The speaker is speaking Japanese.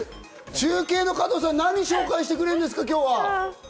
中継の加藤さん、何を紹介してくれるんですか？